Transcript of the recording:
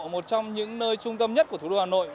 một trong những nơi trung tâm nhất của thủ đô hà nội